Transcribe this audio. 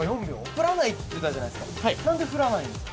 振らないって言ったじゃないですか？